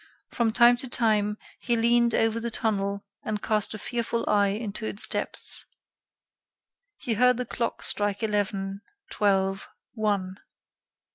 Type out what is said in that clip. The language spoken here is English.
From time to time, he leaned over the tunnel and cast a fearful eye into its depths. He heard the clock strike eleven, twelve, one.